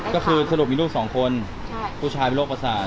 ก็คือสรุปมีลูกสองคนผู้ชายเป็นโรคประสาท